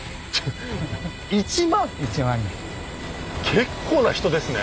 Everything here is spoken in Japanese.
結構な人ですね。